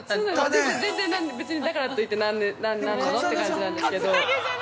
◆全然全然、なんでだからといって何なのって感じなんですけどー。